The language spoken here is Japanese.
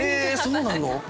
そうなの？